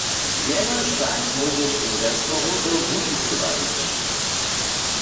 Jenož tak móžeš inwestorow do Łužicy wabić.